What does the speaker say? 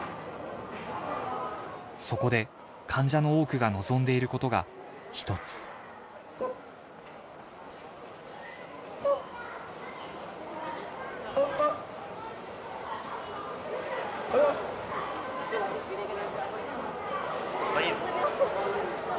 そこで患者の多くが望んでいることが一つあっあっあっあいよ